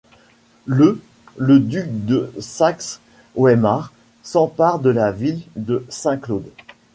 Le le duc de Saxe-Weimar, s'empare de la ville de Saint-Claude.